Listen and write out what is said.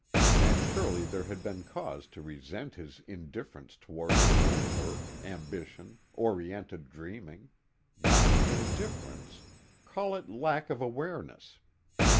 And surely there had been cause to resent his indifference toward her own work, ambition, oriented dreaming. Not indifference: call it lack of awareness.